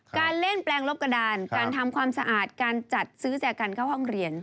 การเล่นแปลงลบกระดานการทำความสะอาดการจัดซื้อแจกันเข้าห้องเรียน